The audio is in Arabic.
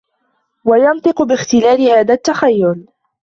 وَيَنْطِقُ بِاخْتِلَالِ هَذَا التَّخَيُّلِ